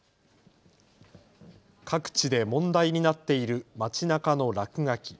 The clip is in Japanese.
各地で問題になっている街なかの落書き。